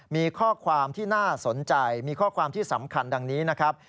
มีข้อความที่น่าสนใจมีข้อความที่สำคัญดังนี้นะครับ